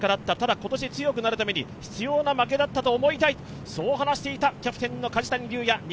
ただ、今年強くなるために必要な負けだったと思いたい、そう話していたキャプテンの梶谷瑠哉。